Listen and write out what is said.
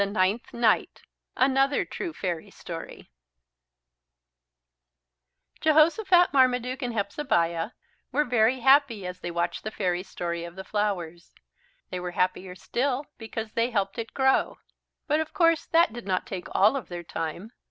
NINTH NIGHT ANOTHER TRUE FAIRY STORY Jehosophat, Marmaduke, and Hepzebiah were very happy as they watched the fairy story of the flowers. They were happier still because they helped it grow. But of course that did not take all of their time.